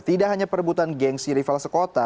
tidak hanya perebutan gengsi rival sekota